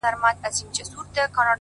نیک عمل د وخت په حافظه کې پاتې کېږي،